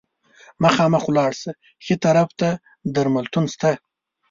مخامخ ولاړ شه، ښي طرف ته درملتون شته.